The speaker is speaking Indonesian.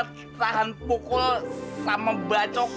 mana tahan pukul sama bacoknya